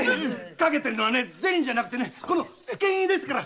賭けているのは銭じゃなくてこの付け木ですから。